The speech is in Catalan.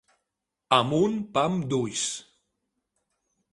Amb un pam d'ulls.